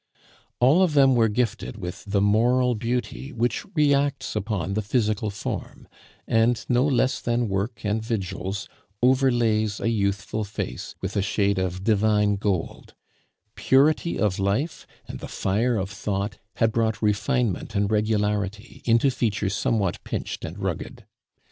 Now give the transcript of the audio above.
All of them were gifted with the moral beauty which reacts upon the physical form, and, no less than work and vigils, overlays a youthful face with a shade of divine gold; purity of life and the fire of thought had brought refinement and regularity into features somewhat pinched and rugged.